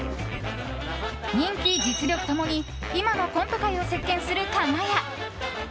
人気、実力ともに今のコント界を席巻する、かが屋。